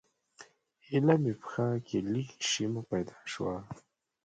ایله مې پښو کې لږه شیمه پیدا شوه.